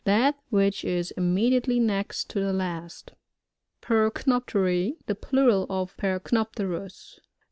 That which is immediately next to the last. Pbrcnopterl — The plural of Perc nopterus.